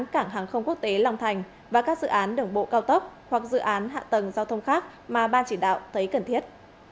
cảng hàng không quốc tế long thành và các dự án đường bộ cao tốc hoặc dự án hạ tầng giao thông khác mà ban chỉ đạo thấy cần thiết